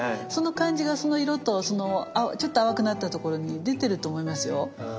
その感じがその色とそのちょっと淡くなったところに出てると思いますよ。